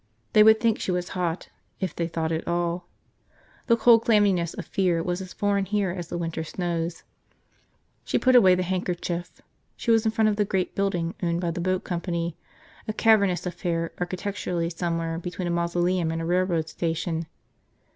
They would think she was hot, if they thought at all. The cold clamminess of fear was as foreign here as the winter snows. She put away the handkerchief. She was in front of the great building owned by the boat company, a cavernous affair architecturally somewhere between a mausoleum and a railroad station.